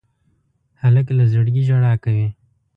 هلک له زړګي ژړا کوي.